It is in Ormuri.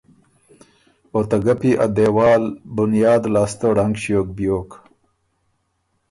او ته ګپی ا دېوال بنیاد لاسته ړنګ ݭیوک بیوک۔